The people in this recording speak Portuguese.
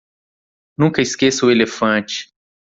Nunca esqueça o elefante.